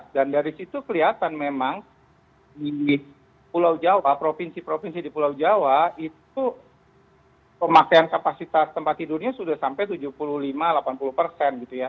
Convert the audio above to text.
dan dari situ kelihatan memang di pulau jawa provinsi provinsi di pulau jawa itu pemakaian kapasitas tempat tidurnya sudah sampai tujuh puluh lima delapan puluh persen